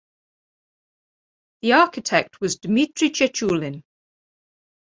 The architect was Dmitry Chechulin.